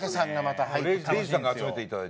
礼二さんが集めていただいて。